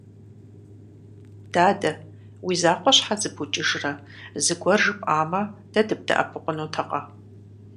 Дадэ, уи закъуэ щхьэ зыбукӀыжрэ, зыгуэр жыпӀамэ, дэ дыбдэӀэпыкъунтэкъэ?